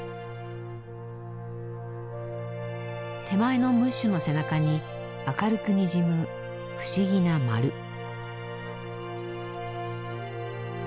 手前のムッシュの背中に明るくにじむ不思議なまる。